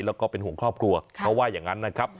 แล้วก็เป็นห่วงครอบครัวเขาว่าอย่างนั้นนะครับ